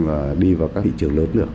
và đi vào các thị trường lớn nữa